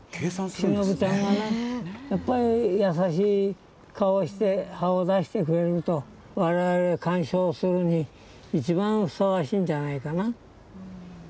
シノブちゃんがね、やっぱり優しい顔して、葉を出してくれると、われわれ、観賞するに一番ふさわしいんじゃないかな。